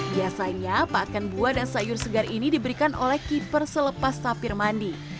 biasanya pakan buah dan sayur segar ini diberikan oleh keeper selepas tapir mandi